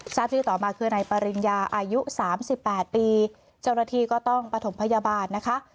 ทราบชื่อต่อมาคือนายปริญญาอายุ๓๘ปีเจ้าหน้าที่ก็ต้องประถมพยาบาลนะคะ